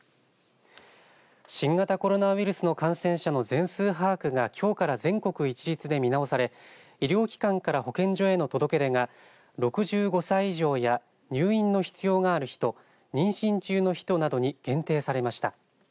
新型コロナウイルスの感染者の全数把握がきょうから全国一律で見直され医療機関から保健所への届け出が６５歳以上や入院の必要がある人、妊娠中の人などに限定されました。